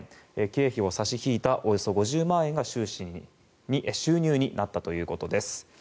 経費を差し引いたおよそ５０万円が収入になったということです。